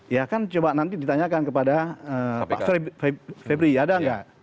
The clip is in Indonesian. ya kan coba nanti ditanyakan kepada pak febri ada nggak